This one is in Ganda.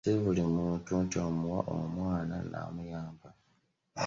Si buli muntu nti omuwa omwana n'amuyamba.